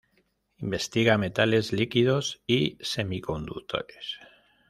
Investiga metales líquidos y semiconductores.